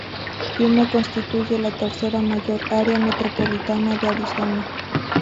Yuma constituye la tercera mayor área metropolitana de Arizona.